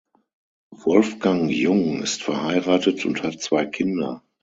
Wolfgang Jung ist verheiratet und hat zwei Kinder.